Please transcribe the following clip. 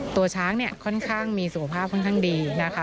ตัวช้างเนี่ยค่อนข้างมีสุขภาพค่อนข้างดีนะคะ